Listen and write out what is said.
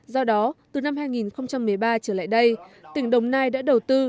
do đó từ năm hai nghìn một mươi ba trở lại đây tỉnh đồng nai đã đầu tư